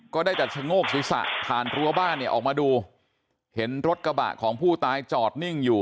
ก็ได้แต่ชะโงกศีรษะผ่านรั้วบ้านเนี่ยออกมาดูเห็นรถกระบะของผู้ตายจอดนิ่งอยู่